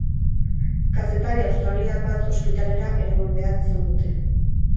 Kazetari australiar bat ospitalera eraman behar izan dute.